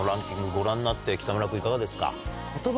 ご覧になって北村君いかがですか？